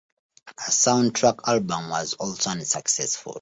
A soundtrack album was also unsuccessful.